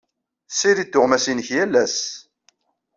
Ssirid tuɣmas-nnek yal ass.